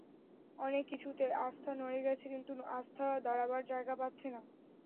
অনেক কিছুতে আস্থা নড়ে গেছে, নতুন আস্থা দাঁড়াবার জায়গা পাচ্ছে না।